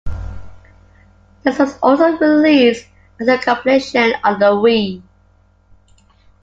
This was also released as a compilation on the Wii.